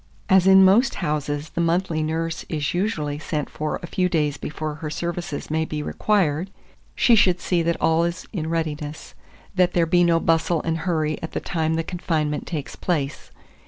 As in most houses the monthly nurse is usually sent for a few days before her services may be required, she should see that all is in readiness; that there be no bustle and hurry at the time the confinement takes place.